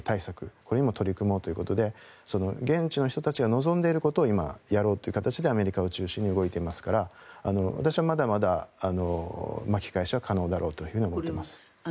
これにも取り組もうということで現地の人たちが望んでいることを今、やろうという形でアメリカを中心に動いていますから私はまだまだ巻き返しは可能だろうと思っています。